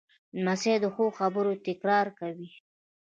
لمسی د ښو خبرو تکرار کوي.